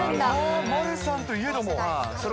丸さんといえども。